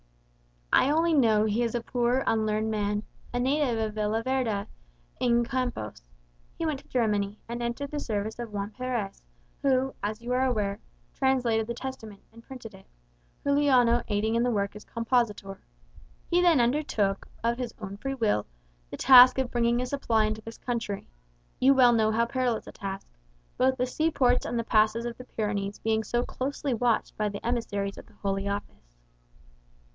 "I only know he is a poor, unlearned man, a native of Villaverda, in Campos. He went to Germany, and entered the service of Juan Peres, who, as you are aware, translated the Testament, and printed it, Juliano aiding in the work as compositor. He then undertook, of his own free will, the task of bringing a supply into this country; you well know how perilous a task, both the sea ports and the passes of the Pyrenees being so closely watched by the emissaries of the Holy Office.